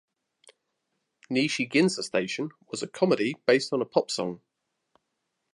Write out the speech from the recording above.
"Nishi Ginza Station" was a comedy based on a pop-song.